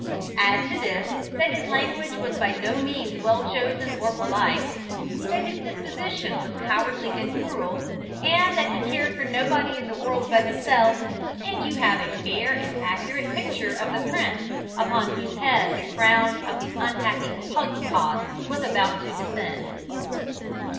Add to this, that his language was by no means well chosen or polite, that his disposition was cowardly and cruel, and that he cared for nobody in the world but himself, and you have a fair and accurate picture of the prince upon whose head the crown of the unhappy Pugpoz was about to descend.